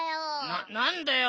ななんだよ。